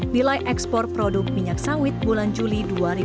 nilai ekspor produk minyak sawit bulan juli dua ribu dua puluh